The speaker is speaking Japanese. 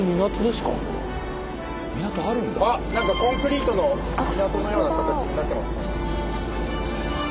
何かコンクリートの港のような形になってますね。